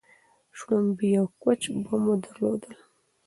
شلومبې او کوچ به مو درلودل